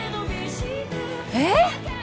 えっ！？